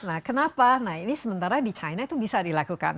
nah kenapa nah ini sementara di china itu bisa dilakukan